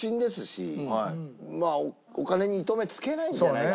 お金に糸目をつけないんじゃないかなっていう。